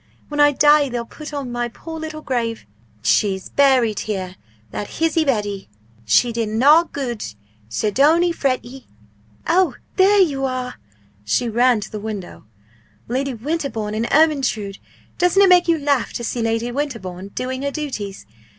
When I die they'll put on my poor little grave "She's buried here that hizzie Betty; She did na gude so don't ee fret ye! " oh, there they are!" she ran to the window "Lady Winterbourne and Ermyntrude. Doesn't it make you laugh to see Lady Winterbourne doing her duties?